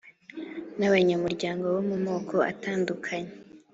n'abanyamuryango bo mu moko atandukanye.